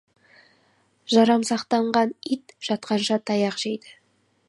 Жарамсақтанған ит жатқанша таяқ жейді.